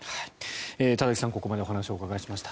田崎さんにここまでお話をお伺いしました。